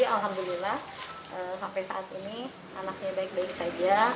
alhamdulillah sampai saat ini anaknya baik baik saja